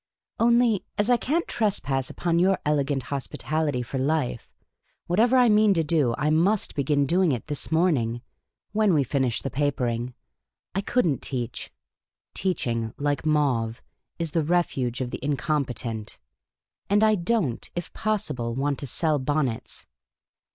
" Only, as I can't trespass upon your elegant hospi tality for life, whatever I mean to do, I must begin doing this morning, when we 've finished the papering. I could n't teach " (teaching, like mauve, is the refuge of the incompe tent) ;" and I don't, if possible, want to sell bonnets."